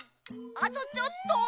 あとちょっと。